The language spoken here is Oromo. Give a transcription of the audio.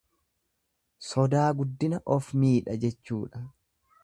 Sodaa guddina of miidha jechuudha.